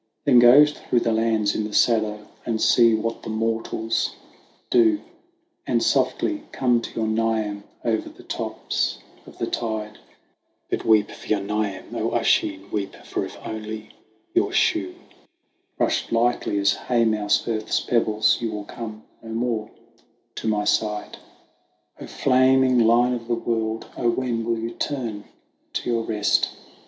"Then go through the lands in the saddle and see what the mortals do, And softly come to your Niamh over the tops of the tide ; THE WANDERINGS OF OISIN 137 But weep for your Niamh, Oisin, weep ; for if only your shoe Brush lightly as haymouse earth's pebbles, you will come no more to my side. a O flaming lion of the world, when will you turn to your rest